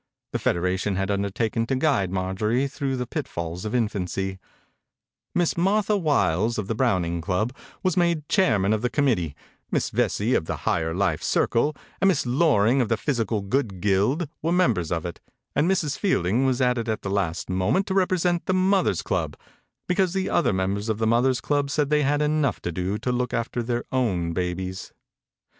The federation had undertaken to guide Marjorie through the pitfalls of infancy. 45 THE INCUBATOR BABY Miss Martha Wiles, of the Browning club, was made chair man of the committee; Miss Vesey, of the Higher Life circle, and Miss Loring, of the Physical Good guild, were members of it, and Mrs. Fielding was added at the last moment to represent the Mothers' club because the other members of the Mothers' club said they had enough to do to look after their own babies.